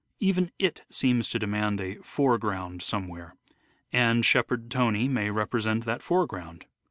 Even it seems to demand a " foreground somewhere "; and Shepherd Tony may represent that foreground.